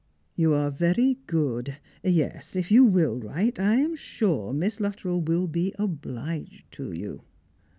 " You are very good. Yes, if you will write I am sure Miss Luttrell will be obliged to you."